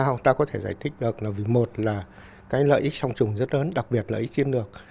đối tác chiến lược chính trị cao tại sao ta có thể giải thích được là vì một là cái lợi ích song trùng rất lớn đặc biệt lợi ích chiến lược